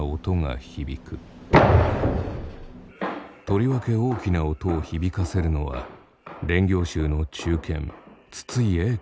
とりわけ大きな音を響かせるのは練行衆の中堅筒井英賢さん。